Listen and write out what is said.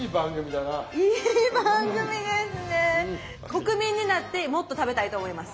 国民になってもっと食べたいと思います！